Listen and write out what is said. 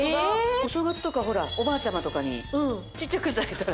お正月とかほらおばあちゃまとかにちっちゃくしてあげたら。